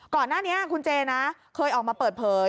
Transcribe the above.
ก่อนหน้านี้คุณเจนะเคยออกมาเปิดเผย